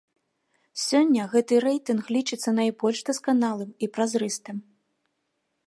Сёння гэты рэйтынг лічыцца найбольш дасканалым і празрыстым.